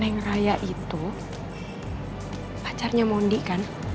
neng rayate itu pacarnya mondi kan